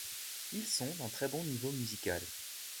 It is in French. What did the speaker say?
Ils sont d'un très bon niveau musical.